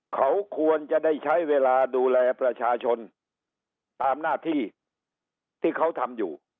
เขาควรจะได้ใช้เวลาดูแลประชาชนตามหน้าที่ที่เขาทำอยู่